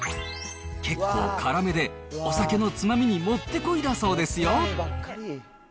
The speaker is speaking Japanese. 結構辛めでお酒のつまみにもってこいだそうですよ。